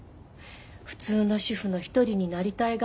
普通の主婦の一人になりたい願望なんて。